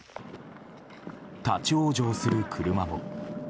立ち往生する車も。